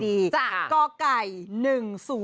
ใส่๑๐๖๔คอนเจน